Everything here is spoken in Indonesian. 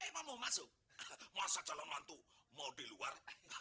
emang mau masuk masa calon hantu mau di luar